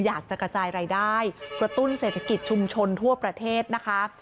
อยากจะกระจายรายได้กระตุ้นเศรษฐกิจชุมชนทั่วประเทศนะคะ